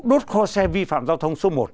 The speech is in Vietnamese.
đốt kho xe vi phạm giao thông số một